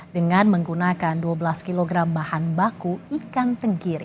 dengan menggunakan dua belas kg bahan baku ikan tenggiri